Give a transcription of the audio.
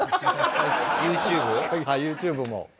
はいＹｏｕＴｕｂｅも。